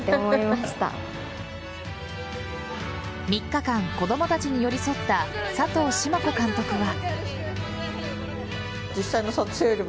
３日間子供たちに寄り添った佐藤嗣麻子監督は。